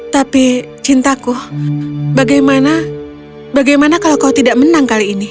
tapi cintaku bagaimana bagaimana kalau kau tidak menang kali ini